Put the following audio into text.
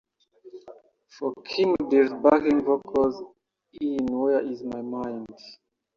For Kim Deal's backing vocals in Where Is My Mind?